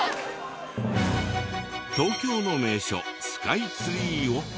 東京の名所スカイツリーを。